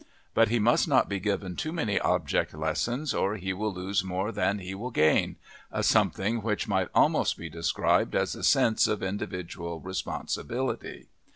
But he must not be given too many object lessons or he will lose more than he will gain a something which might almost be described as a sense of individual responsibility.